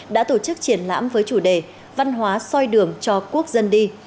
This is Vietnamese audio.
đã tổ chức triển lãm với chủ đề văn hóa soi đường cho quốc dân đi